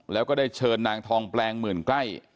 แล้วก็ได้เชิญนางทองแปลงหมื่นใกล้